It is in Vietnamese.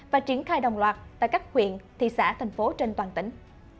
và triển khai đồng loạt tại các huyện thị xã thành phố trên toàn tỉnh